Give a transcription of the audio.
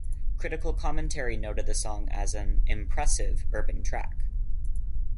Critical commentary noted the song as an "impressive" urban track.